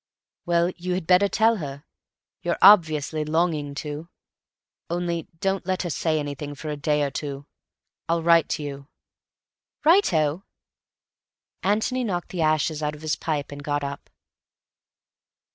"Well, you had better tell her. You're obviously longing to. Only don't let her say anything for a day or two. I'll write to you." "Righto!" Antony knocked the ashes out of his pipe and got up.